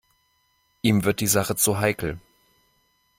Ihm wird die Sache zu heikel.